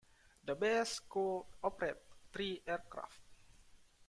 The base could operate three aircraft.